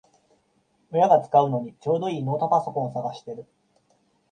親が使うのにちょうどいいノートパソコンを探してる